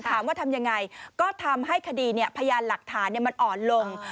ถามว่าทำยังไงก็ทำให้คดีพยานหลักฐานอ่อนลง